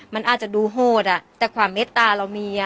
มันอาจจะดูโหดอ่ะแต่ความเม็ดตาเรามีอ่ะ